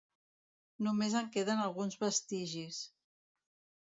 Només en queden alguns vestigis.